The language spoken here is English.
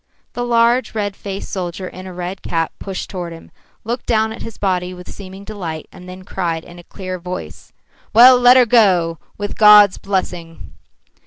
The large, red faced soldier in a red cap pushed toward him, looked down at his body with seeming delight, and then cried in a clear voice: "Well, let her go, with God's blessing!"